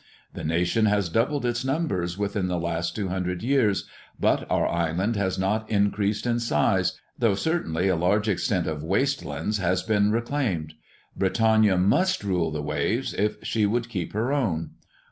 The nation has doubled its numbers within the last two hundred years, but our island has not increased in size, though certainly a large extent of waste land has been reclaimed. Britannia must rule the waves if she would keep her own.